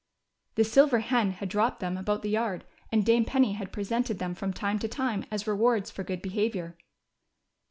The silver hen had dropped them about the yard, and Dame Penny had presented them from time to time as rewards for good be havior.